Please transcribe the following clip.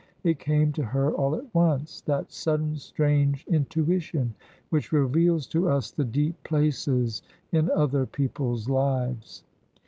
It came to her all at once that sudden, strange intuition which reveals to us the deep places in other people's lives.